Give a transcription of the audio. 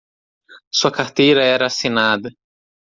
Sua carteira era assinada